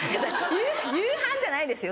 夕飯じゃないですよ